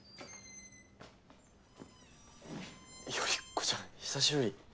頼子ちゃん久しぶり。